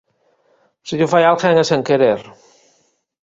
Se llo fai a alguén é sen querer.